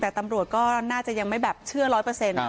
แต่ตำรวจก็น่าจะยังไม่แบบเชื่อร้อยเปอร์เซ็นต์